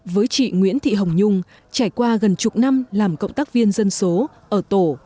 với chị nguyễn thị hồng nhung trải qua gần chục năm làm cộng tác viên dân số ở tổ